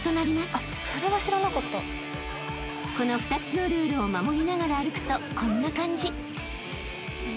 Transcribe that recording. ［この２つのルールを守りながら歩くとこんな感じ］